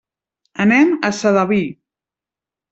Anem a Sedaví.